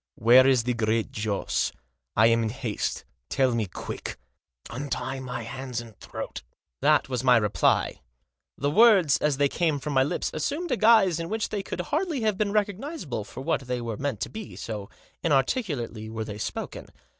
" Where is the Great Joss ? I am in haste. Tell me quick." " Untie my hands and throat." That was my reply. The words, as they came from my lips, assumed a guise in which they could hardly have been recognisable for what they were meant to be, so inarticulately were they spoken.